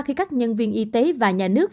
khi các nhân viên y tế và nhà nước